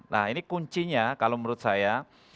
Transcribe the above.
nah ini kuncinya kalau menurut saya